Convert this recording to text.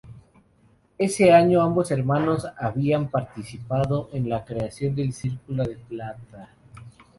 Ese año ambos hermanos habían participado en la creación del Círculo del Plata.